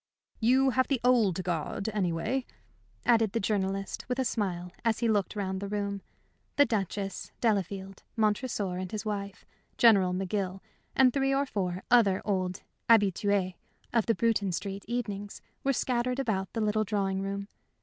"You have the old guard, anyway," added the journalist, with a smile, as he looked round the room. The Duchess, Delafield, Montresor and his wife, General McGill, and three or four other old habitués of the Bruton Street evenings were scattered about the little drawing room.